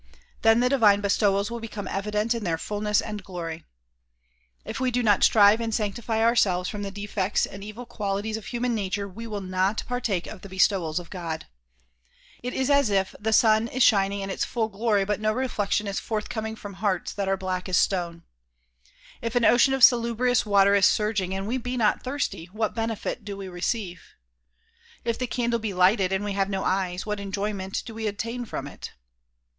Then the divine bestowals will become evident in their fullness and glory. If we do not strive and sanctify ourselves from the defects and evil qualities of human nature we will not partake of the bestowals of God. It is as if the sun is shining in its full gloi y but no reflection is DISCOURSES DELIVERED IN BROOKLYN 191 forthcoming from hearts that are black as stone. If an ocean of salubrious water is surging and we be not thirsty, what benefit do we receive? If the candle be lighted and we have no eyes, what enjoyment do we obtain from it?